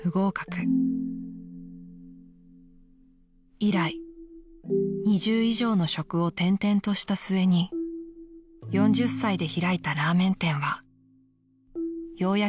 ［以来２０以上の職を転々とした末に４０歳で開いたラーメン店はようやく手に入れた自分の城］